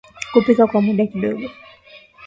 kupika kwa muda kidogo